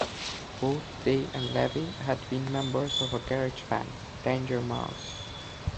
Both Day and Levi had been members of a garage band, Danger Mouse.